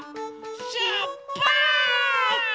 しゅっぱつ！